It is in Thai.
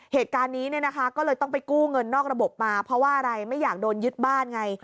เหตุการณ์นี้เนี่ยนะคะก็เลยต้องไปกู้เงินนอกระบบมาเพราะว่าอะไรไม่อยากโดนยึดบ้านไง